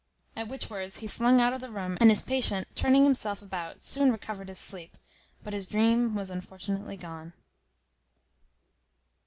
At which words he flung out of the room, and his patient turning himself about soon recovered his sleep; but his dream was unfortunately gone.